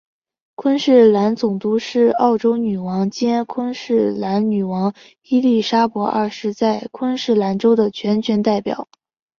昆士兰总督是澳洲女皇兼昆士兰女王伊利沙伯二世在昆士兰州的全权代表。